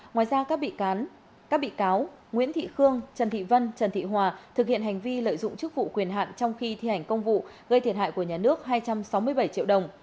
ngoài ra các bị cáo nguyễn thị khương trần thị vân trần thị hòa thực hiện hành vi lợi dụng chức vụ quyền hạn trong khi thi hành công vụ gây thiệt hại của nhà nước hai trăm sáu mươi bảy triệu đồng